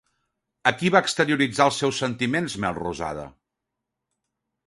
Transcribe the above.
A qui va exterioritzar els seus sentiments Melrosada?